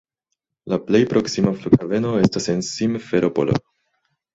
La plej proksima flughaveno estas en Simferopolo.